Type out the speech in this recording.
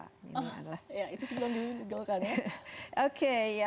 itu sebelum diulangkan ya